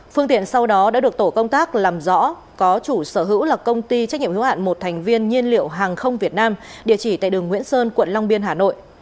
phương tiện sau đó đã được tổ công tác làm rõ có chủ sở hữu là công ty trách nhiệm hiếu hạn một thành viên nhiên liệu hàng không việt nam địa chỉ tại đường nguyễn sơn quận long biên hà nội